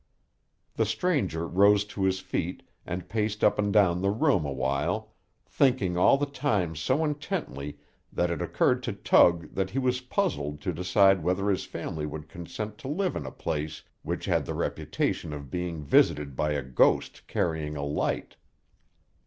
The stranger rose to his feet, and paced up and down the room awhile, thinking all the time so intently that it occurred to Tug that he was puzzled to decide whether his family would consent to live in a place which had the reputation of being visited by a ghost carrying a light.